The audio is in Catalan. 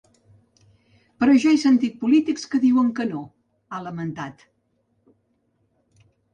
Però ja he sentit polítics que diuen que no, ha lamentat.